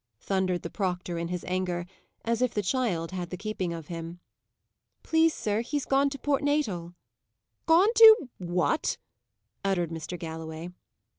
thundered the proctor, in his anger, as if the child had the keeping of him. "Please, sir, he's gone to Port Natal." "Gone to what?" uttered Mr. Galloway.